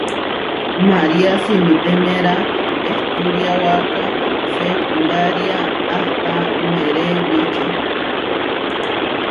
María simitémera ehturiáwaka seekundária ahta meré wiče.